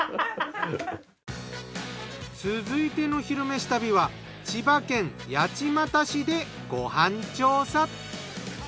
続いての「昼めし旅」は千葉県八街市でご飯調査。